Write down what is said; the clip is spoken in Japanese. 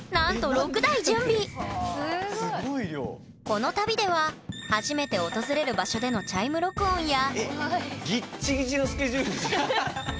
この旅では初めて訪れる場所でのチャイム録音やえっ⁉ぎっちぎちのスケジュールじゃん。